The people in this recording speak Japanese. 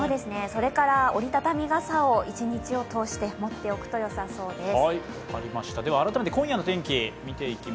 それから折り畳み傘を一日を通して持っておくとよさそうです。